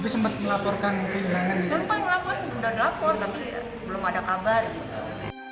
sempat melaporkan sudah dilapor tapi belum ada kabar gitu